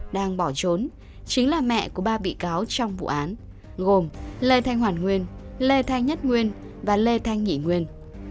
đang bỏ trốn chính là mẹ của ba bị cáo trong vụ án gồm lê thanh hoàn nguyên lê thanh nhất nguyên và lê thanh nhị nguyên